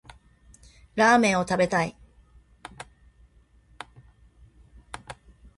ラーメンを食べたい。